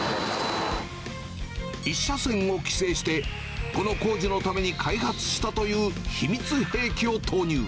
１車線を規制して、この工事のために開発したという秘密兵器を投入。